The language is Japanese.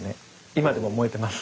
今でも燃えてます。